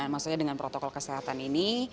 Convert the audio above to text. maksudnya dengan protokol kesehatan ini